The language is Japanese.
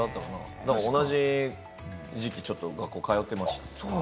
同じ時期、一緒に学校に通ってました。